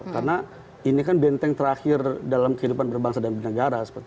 karena ini kan benteng terakhir dalam kehidupan berbangsa dan bernegara